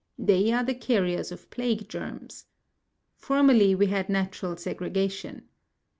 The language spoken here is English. They are the carriers of plague germs. Formerly we had natural segregation.